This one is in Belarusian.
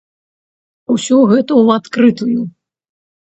Усё гэта ў адкрытую.